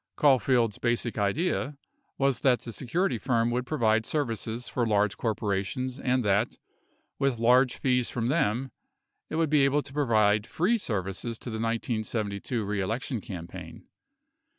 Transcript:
Caulfield's basic idea was that the security firm would provide services for large corporations and that, with large fees from them, it would be able to provide free services to the 1972 reelection campaign.